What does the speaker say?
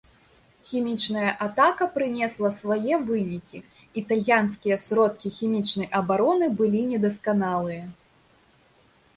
Хімічная атака прынесла свае вынікі, італьянскія сродкі хімічнай абароны былі недасканалыя.